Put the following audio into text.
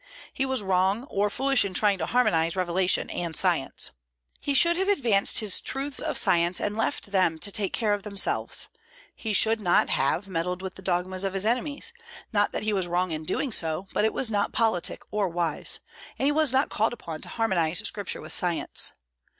He was wrong or foolish in trying to harmonize revelation and science. He should have advanced his truths of science and left them to take care of themselves. He should not have meddled with the dogmas of his enemies: not that he was wrong in doing so, but it was not politic or wise; and he was not called upon to harmonize Scripture with science.